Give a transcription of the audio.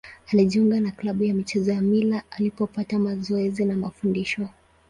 Alijiunga na klabu ya michezo ya Mila alipopata mazoezi na mafundisho.